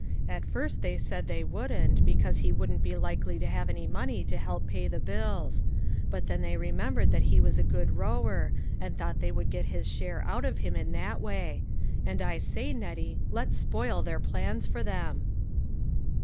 At first they said they wouldn't, because he wouldn't be likely to have any money to help pay the bills ; but then they remembered that he was a good rower, and thought they would get his share out of him in that way; and I say, Nettie, let's spoil their plans for them."